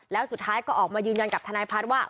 แล้วสุดท้ายก็ออกมายืนยันกับทนายพัฒน์ว่า